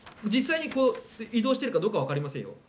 実際に移動しているかどうかはわかりませんよ。